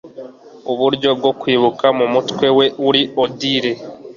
uburyo bwo kwibuka mumutwe we. 'uri odili